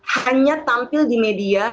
hanya tampil di media